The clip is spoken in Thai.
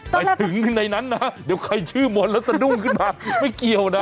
ไปถึงในนั้นนะเดี๋ยวใครชื่อมนต์แล้วสะดุ้งขึ้นมาไม่เกี่ยวนะ